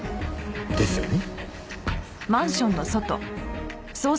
ですよね。